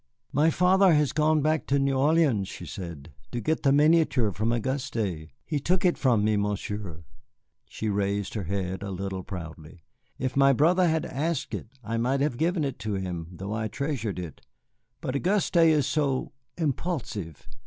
"My father has gone back to New Orleans," she said, "to get the miniature from Auguste. He took it from me, Monsieur." She raised her head a little proudly. "If my brother had asked it, I might have given it to him, though I treasured it. But Auguste is so impulsive.